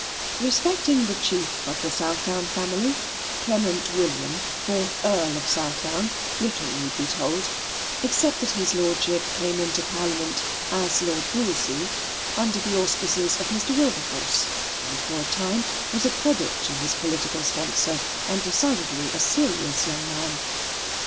Respecting the chief of the Southdown family, Clement William, fourth Earl of Southdown, little need be told, except that his Lordship came into Parliament (as Lord Wolsey) under the auspices of Mr. Wilberforce, and for a time was a credit to his political sponsor, and decidedly a serious young man.